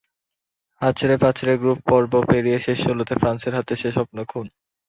হাঁচড়ে পাঁচড়ে গ্রুপ পর্ব পেরিয়ে শেষ ষোলোতে ফ্রান্সের হাতে সে স্বপ্ন খুন।